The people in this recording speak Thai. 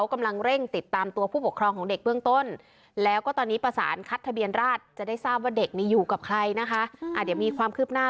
หลังจากเจ้าหน้าที่ตัวนิดเดียว